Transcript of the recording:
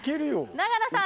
長野さん